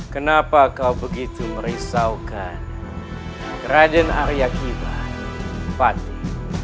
kenapa kau begitu merisaukan raden arya kiban fatih